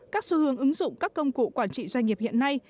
các xu hướng ứng dụng các công cụ quản trị doanh nghiệp hiện nay